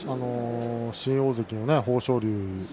新大関の豊昇龍